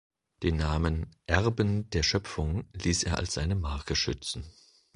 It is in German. Den Namen „Erben der Schöpfung“ ließ er als seine Marke schützen.